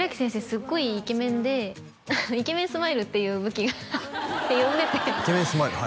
すっごいイケメンでイケメンスマイルっていう武器がって呼んでてイケメンスマイル？